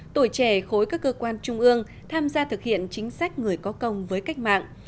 tuổi trẻ khối các cơ quan trung ương tham gia thực hiện chính sách người có công với cách mạng